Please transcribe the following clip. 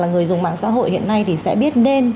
người dùng mạng xã hội hiện nay thì sẽ biết nên